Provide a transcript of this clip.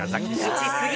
打ちすぎ！